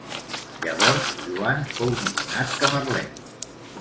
Llavors Joan fou nomenat camarlenc.